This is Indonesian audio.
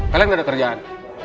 kalian gak ada kerjaan